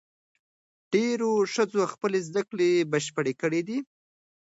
ډېرو ښځو خپلې زدهکړې بشپړې کړې دي.